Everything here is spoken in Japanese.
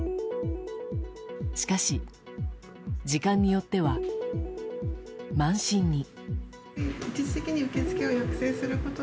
しかし、時間によっては満診に。